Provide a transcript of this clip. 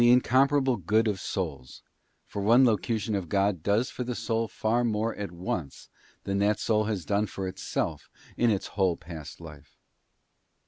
'incomparable good of souls; for one locution of God does for the soul far more at once, than that soul has done for itself in its whole past life.